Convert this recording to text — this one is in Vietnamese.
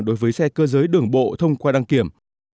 đối với xe cơ giới đường bộ thông qua đăng kiểm